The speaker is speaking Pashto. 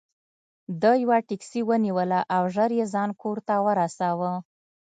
ده یوه ټکسي ونیوله او ژر یې ځان کور ته ورساوه.